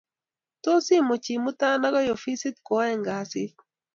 tos imuchi imuta agoi ofisit ko oeng kasit